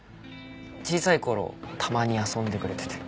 小さいころたまに遊んでくれてて。